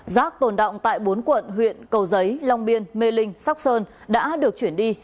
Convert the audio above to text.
giác tồn đọng tại bốn quận huyện cầu giấy long biên mê linh sóc sơn đã được chuyển đi